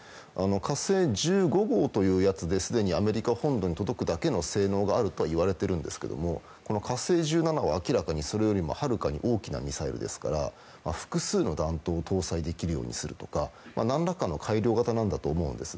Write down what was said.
「火星１５」というやつですでにアメリカ本土に届く性能があるとはいわれているんですが「火星１７」ははるかに大きなミサイルですから複数の弾頭を搭載できるようにするとか何らかの改良型なんだと思うんです。